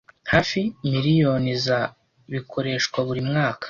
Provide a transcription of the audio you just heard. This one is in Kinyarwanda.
Hafi miliyoni za bikoreshwa buri mwaka